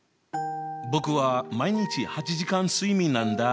僕は毎日８時間睡眠なんだ。